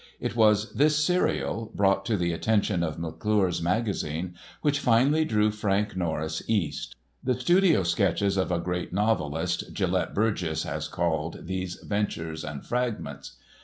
It was this serial, brought to the attention of McClure's Magazine, which finally drew Frank Norris East. "The studio sketches of a great novelist," Gellett Burgess has called these ventures and fragments.